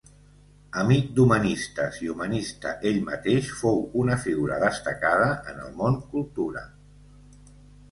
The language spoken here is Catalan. Amic d'humanistes i humanista ell mateix, fou una figura destacada en el món cultura.